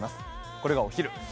これがお昼。